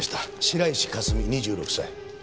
白石佳澄２６歳。